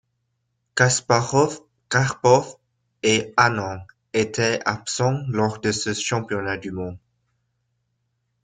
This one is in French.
Kasparov, Karpov et Anand étaient absents lors de ce championnat du monde.